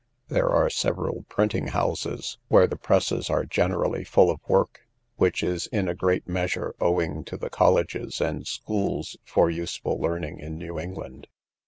There are several printing houses, where the presses are generally full of work, which is in a great measure, owing to the colleges and schools for useful learning in New England.